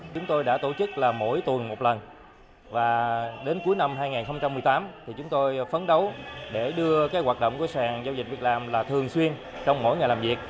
chúng tôi đã tổ chức là mỗi tuần một lần và đến cuối năm hai nghìn một mươi tám thì chúng tôi phấn đấu để đưa hoạt động của sàn giao dịch việc làm là thường xuyên trong mỗi ngày làm việc